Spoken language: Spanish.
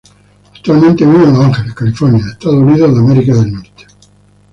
Actualmente vive en Los Ángeles, California, Estados Unidos.